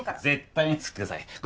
絶対に作ってください。